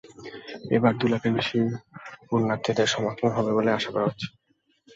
এবার দুই লাখেরও বেশি পুণ্যার্থীর সমাগম হবে বলে আশা করা হচ্ছে।